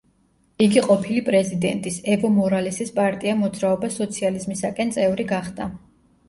იგი ყოფილი პრეზიდენტის ევო მორალესის პარტია მოძრაობა სოციალიზმისაკენ წევრი გახდა.